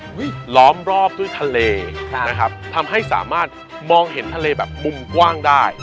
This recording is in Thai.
ล้อมรอบด้วยทะเลค่ะนะครับทำให้สามารถมองเห็นทะเลแบบมุมกว้างได้